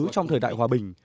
trong thời đại hòa bình